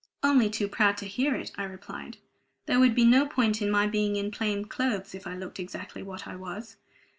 "Only to proud to hear it," I replied. "There would be no point in my being in plain clothes if I looked exactly what I was."